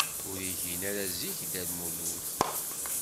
Ur igin ara zik Dda Lmulud.